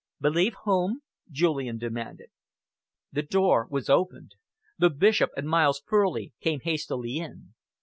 "Believe whom?" Julian demanded. The door was opened. The Bishop and Miles Furley came hastily in.